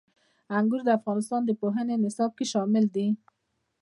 انګور د افغانستان د پوهنې نصاب کې شامل دي.